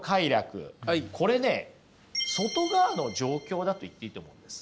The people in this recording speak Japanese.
これね外側の状況だと言っていいと思うんです。